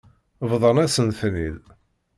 Bḍan-asen-ten-id.